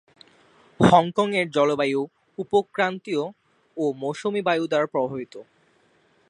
হংকংয়ের জলবায়ু উপক্রান্তীয় ও মৌসুমী বায়ু দ্বারা প্রভাবিত।